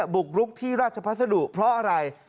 บุกรุกที่ราชพัสดุเพราะอะไร